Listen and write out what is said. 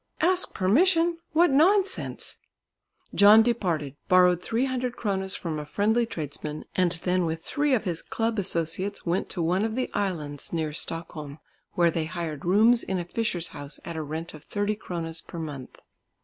"Ask permission! What nonsense!" John departed, borrowed three hundred kronas from a friendly tradesman, and then with three of his club associates went to one of the islands near Stockholm, where they hired rooms in a fisher's house at a rent of thirty kronas per month.